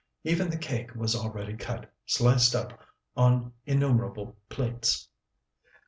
Even the cake was already cut, sliced up on innumerable plates.